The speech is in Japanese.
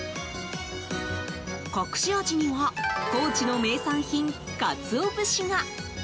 隠し味には高知の名産品、カツオ節が。